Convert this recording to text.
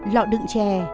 lọ đựng chè